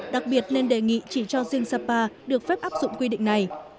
đặc biệt nên đề nghị chỉ cho riêng sapa được phép áp dụng quy định này